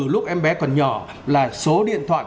lúc em bé còn nhỏ là số điện thoại